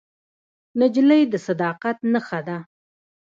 نجلۍ د صداقت نښه ده.